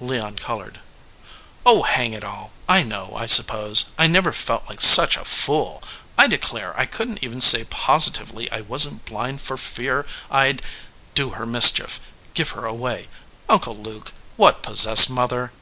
Leon colored. "Oh, hang it all ! I know, I sup pose. I never felt like such a fool. I declare, I couldn t even say positively I wasn t blind for fear I d do her mischief give her away. Uncle Luke, what possessed mother?"